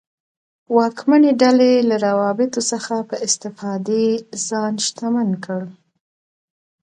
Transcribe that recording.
واکمنې ډلې له روابطو څخه په استفادې ځان شتمن کړ.